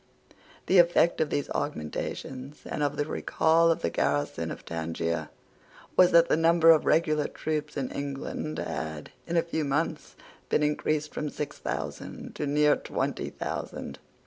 The effect of these augmentations, and of the recall of the garrison of Tangier, was that the number of regular troops in England had, in a few months, been increased from six thousand to near twenty thousand.